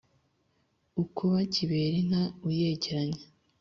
ukuba kiberinka uyegeranya;